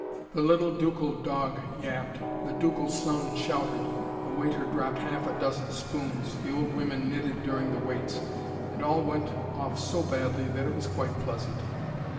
The little ducal dog yapped, the ducal son shouted, the waiter dropped half a dozen spoons, the old women knitted during the waits, and all went off so badly that it was quite pleasant.